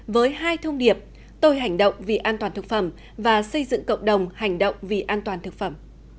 với hai thông điệp tôi hành động vì an toàn thực phẩm và xây dựng cộng đồng hành động vì an toàn thực phẩm